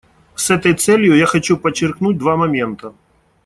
С этой целью я хочу подчеркнуть два момента.